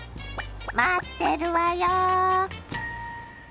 待ってるわよ。